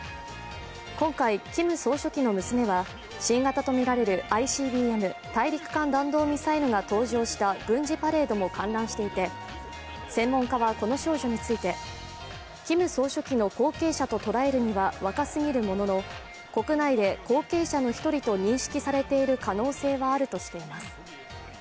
今回、キム総書記の娘は、新型とみられるＩＣＢＭ＝大陸間弾道ミサイルが登場した軍事パレードも観覧していて、専門家は、この少女についてキム総書記の後継者と捉えるには若すぎるものの、国内で後継者の１人と認識されている可能性はあるとしています。